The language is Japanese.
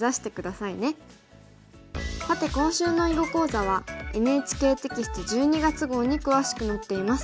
さて今週の囲碁講座はＮＨＫテキスト１２月号に詳しく載っています。